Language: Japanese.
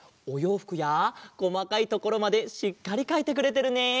おようふくやこまかいところまでしっかりかいてくれてるね！